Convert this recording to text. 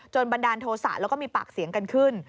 บันดาลโทษะแล้วก็มีปากเสียงกันขึ้น